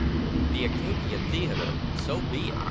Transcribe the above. VI "The Acadia Theater! So be it.